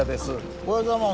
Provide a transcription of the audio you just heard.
おはようございます。